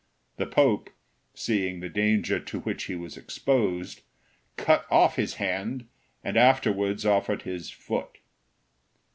The Pope, seeing the danger to which he was exposed, cut off his hand, and afterwards offered his foot.